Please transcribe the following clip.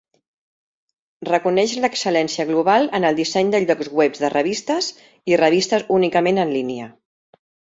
Reconeix l'excel·lència global en el disseny de llocs webs de revistes i revistes únicament en línia.